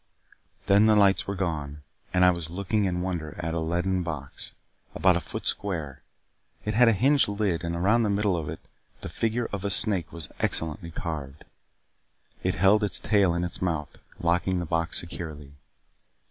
Then the lights were gone and I was looking in wonder at a leaden box, about a foot square. It had a hinged lid, and around the middle of it the figure of a snake was excellently carved. It held its tail in its mouth, locking the box securely.